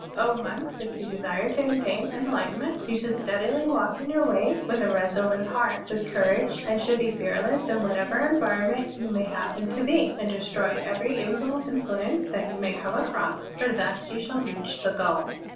O monks, if you desire to attain enlightenment, you should steadily walk in your Way, with a reisolute heart, with courage, and should be fearless in whatever environment you may happen to be, and destroy every evil influ ence that you may come across; for thus you shall reach the goal."